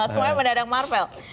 semuanya mendadak marvel